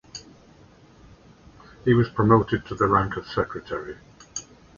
He was promoted to the rank of Secretary.